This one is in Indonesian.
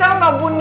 yang sulamnya buni